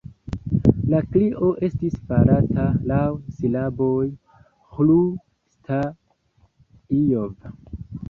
La krio estis farata laŭ silaboj: "Ĥru-Sta-ljov!